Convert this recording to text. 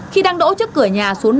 khi đang đổ trước cửa nhà số năm